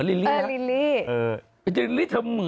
อยากกันเยี่ยม